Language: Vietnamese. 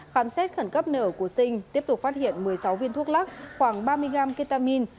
khám xét khẩn cấp nợ của sinh tiếp tục phát hiện một mươi sáu viên thuốc lắc khoảng ba mươi gram ketamin